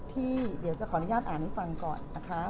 ที่เดี๋ยวจะขออนุญาตอ่านให้ฟังก่อนนะคะ